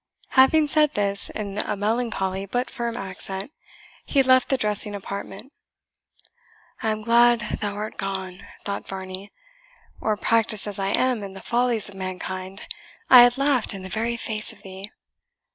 Having said this in a melancholy but firm accent, he left the dressing apartment. "I am glad thou art gone," thought Varney, "or, practised as I am in the follies of mankind, I had laughed in the very face of thee!